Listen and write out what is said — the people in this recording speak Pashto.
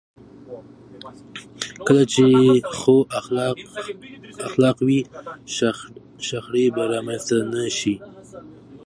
کله چې ښو اخلاق وي، شخړې به رامنځته نه شي.